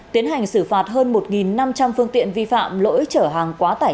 tiến hành xử phạt hơn một năm trăm linh phương tiện vi phạm lỗi trở hại